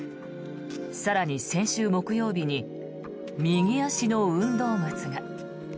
更に、先週木曜日に右足の運動靴が。